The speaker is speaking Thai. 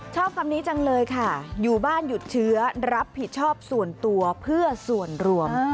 ชอบคำนี้จังเลยค่ะอยู่บ้านหยุดเชื้อรับผิดชอบส่วนตัวเพื่อส่วนรวม